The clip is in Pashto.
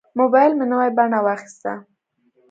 موبایل مې نوې بڼه واخیسته.